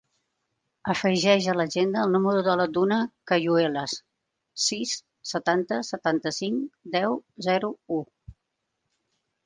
Afegeix a l'agenda el número de la Duna Cayuelas: sis, setanta, setanta-cinc, deu, zero, u.